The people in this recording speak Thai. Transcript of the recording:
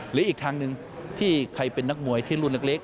หรืออีกทางหนึ่งที่ใครเป็นนักมวยที่รุ่นเล็ก